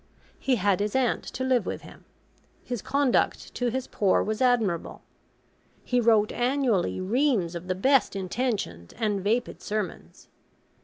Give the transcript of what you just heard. He had his aunt to live with him. His conduct to his poor was admirable. He wrote annually reams of the best intentioned and vapid sermons.